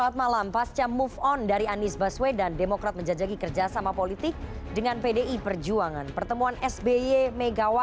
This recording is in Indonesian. terima kasih anda masih menyaksikan political show